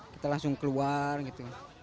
kita langsung keluar gitu